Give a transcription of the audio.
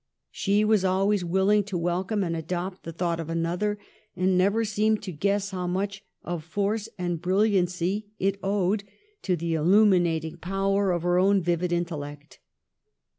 She was always willing to welcome and adopt the thought of another, and never seemed to guess how much of force and brilliancy it owed to the illuminating power of her own vivid intellect.